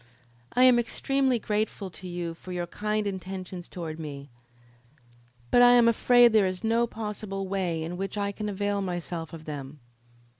"I am extremely grateful to you for your kind intentions toward me, but I am afraid there is no possible way in which I can avail myself of them."